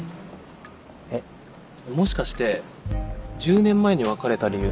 えっもしかして１０年前に別れた理由